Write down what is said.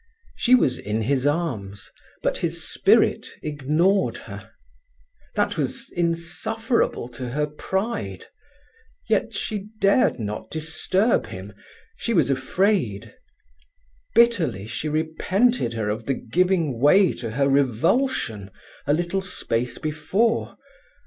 She was in his arms, but his spirit ignored her. That was insufferable to her pride. Yet she dared not disturb him—she was afraid. Bitterly she repented her of the giving way to her revulsion a little space before.